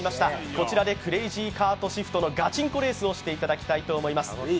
こちらでクレイジーカートシフトのガチンコレースをしていただきたいと思います。